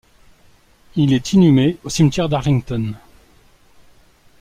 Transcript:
Il est inhumé au cimetière d'Arlington.